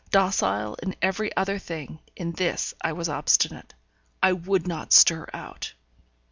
Docile in every other thing, in this I was obstinate. I would not stir out.